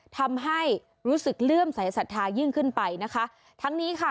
ทำให้รู้สึกเลื่อมสายศรัทธายิ่งขึ้นไปนะคะทั้งนี้ค่ะ